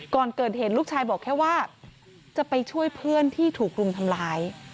ก่อนเกิดเหตุลูกชายบอกแค่ว่าจะไปช่วยเพื่อนที่ถูกรุมทำร้าย